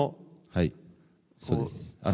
はい、そうです。